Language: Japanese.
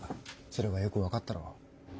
それがよく分かったろう。